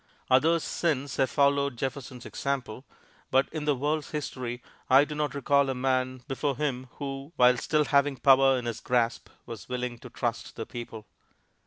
Others, since, have followed Jefferson's example, but in the world's history I do not recall a man before him who, while still having power in his grasp, was willing to trust the people.